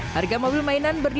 harga mobil mainan berdiri